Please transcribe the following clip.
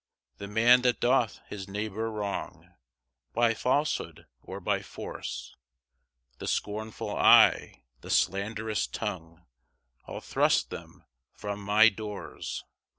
3 The man that doth his neighbour wrong, By falsehood or by force; The scornful eye, the slanderous tongue, I'll thrust them from my doors.